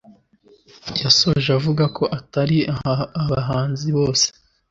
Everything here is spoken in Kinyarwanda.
yasoje avugako atari abahanzi bose